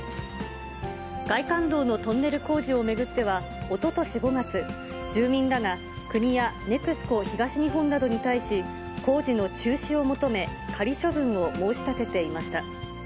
外環道のトンネル工事を巡っては、おととし５月、住民らが国やＮＥＸＣＯ東日本などに対し、工事の中止を求め、仮処分を申し立てていました。